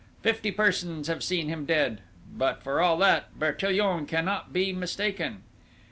Fifty persons have seen him dead! But, for all that, Bertillon cannot be mistaken!"